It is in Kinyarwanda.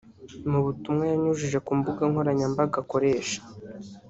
Mu butumwa yanyujije ku mbuga nkoranyambaga akoresha